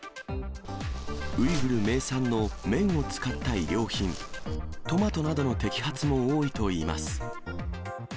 ウイグル名産の綿を使った衣料品、トマトなどの摘発も多いといいます。